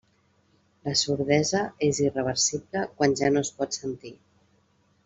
La sordesa és irreversible quan ja no es pot sentir.